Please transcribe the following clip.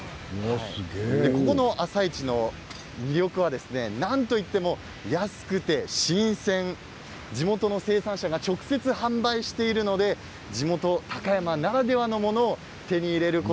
この朝市の魅力はなんといっても安くて新鮮地元の生産者が直接販売しているので地元、高山ならではのものが手に入ります。